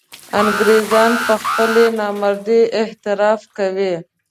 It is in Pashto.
انګرېزان پر خپلې نامردۍ اعتراف کوي.